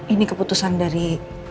ini keputusan dari